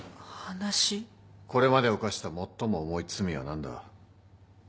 これまで犯した最も重い罪は何だ？